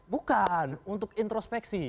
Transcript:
bukan untuk introspeksi